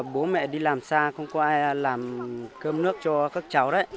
bố mẹ đi làm xa không có ai làm cơm nước cho các cháu đấy